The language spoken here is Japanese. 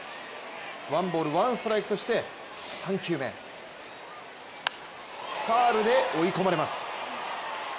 ワンボール・ワンストライクとして３球目、ファウルで追い込まれます。